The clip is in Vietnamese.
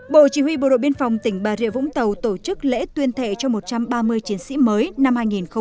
bộ chỉ huy bộ đội biên phòng tỉnh bà rịa vũng tàu tổ chức lễ tuyên thệ cho một trăm ba mươi chiến sĩ mới năm hai nghìn một mươi chín